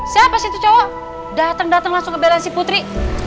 siapa sih itu cowok dateng dateng langsung ke belain si putri